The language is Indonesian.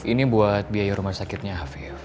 ini buat biaya rumah sakitnya hv